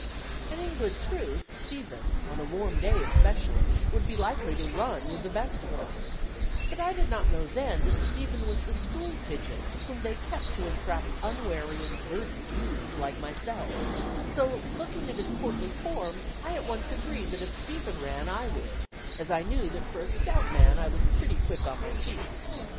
And in good truth, Stephen, in a warm day especially, would be likely to "run" with the best of them; but I did not know then that Stephen was the stool pigeon whom they kept to entrap unwary and verdant youths like myself; so looking at his portly form I at once agreed that if Stephen ran I would, as I knew that for a stout man I was pretty quick on my feet.